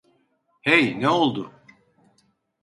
Hey, ne oldu?